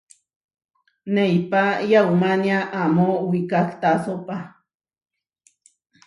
Neipá yaumánia amó wikahtásopa.